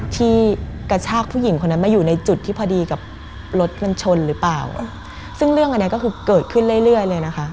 กระชากผู้หญิงคนนั้นมาอยู่ในจุดที่พอดีกับรถมันชนหรือเปล่าซึ่งเรื่องอันนี้ก็คือเกิดขึ้นเรื่อยเรื่อยเลยนะคะ